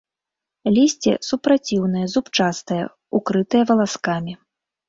Лісце супраціўнае, зубчастае, укрытае валаскамі.